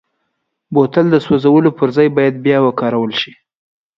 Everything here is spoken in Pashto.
بوتل د سوزولو پر ځای باید بیا وکارول شي.